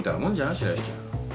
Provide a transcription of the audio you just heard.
白石ちゃん。